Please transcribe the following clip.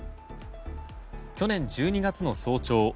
去年１２月の早朝